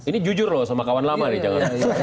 ini jujur loh sama kawan lama nih jangan